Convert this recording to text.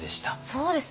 そうですね。